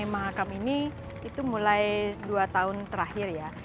makam ini itu mulai dua tahun terakhir ya